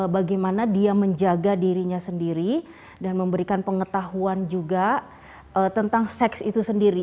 bagaimana dia menjaga dirinya sendiri dan memberikan pengetahuan juga tentang seks itu sendiri